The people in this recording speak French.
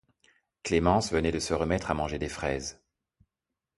Clémence venait de se remettre à manger des fraises.